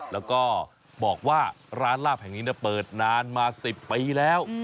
แล้วก็บอกว่าร้านลาบแห่งนี้เปิดนานมา๑๐ปีแล้ว